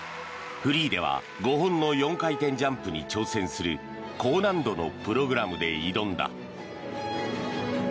フリーでは５本の４回転ジャンプに挑戦する高難度のプログラムで挑んだ。